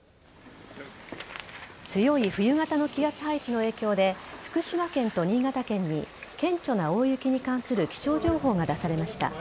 強い冬型の気圧配置の影響で、福島県と新潟県に、顕著な大雪に関する気象情報が出されました。